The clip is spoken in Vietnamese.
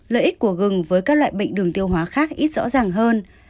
lợi ích của gừng với các loại bệnh đường tiêu hóa khác ít rõ ràng hơn